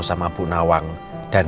tak ada yang memudah